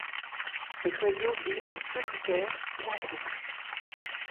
Cet oiseau vit en solitaire ou en couples.